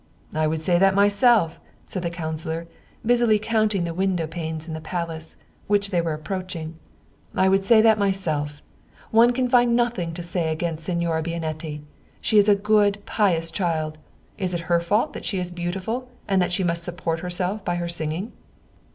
" I would say that myself," said the councilor, busily counting the window panes in the Palace, which they were approaching. " I would say that myself. One can find 88 Wilhdm Hauff nothing to say against Signora Bianetti. She is a good, pious child. Is it her fault that she is beautiful, and that she must support herself by her singing?"